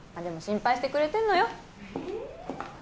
でも心配してくれてんのよ。